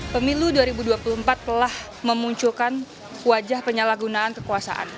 pemilu dua ribu dua puluh empat telah memunculkan wajah penyalahgunaan kekuasaan